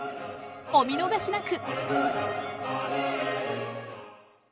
お見逃しなく！